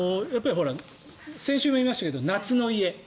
先週も言いましたが夏の家。